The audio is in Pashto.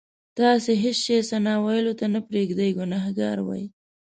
تاسې هېڅ شی ثنا ویلو ته نه پرېږدئ ګناهګار وئ.